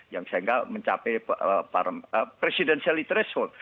yang sehingga mencapai presiden selitresol